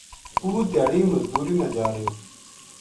پوت دھیاڑی مزدوری نا جارہیو